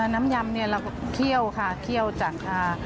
น้ำยำเราก็เคี่ยวค่ะเคี่ยวจากค่ะ